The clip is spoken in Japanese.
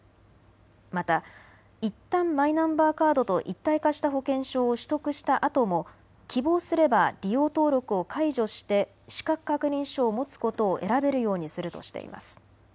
またいったんマイナンバーカードと一体化した保険証を取得したあとも希望すれば利用登録を解除して資格確認書を持つことを選べるようにするとしています。